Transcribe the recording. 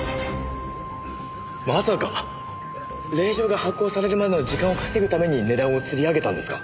まさか令状が発行されるまでの時間を稼ぐために値段をつり上げたんですか？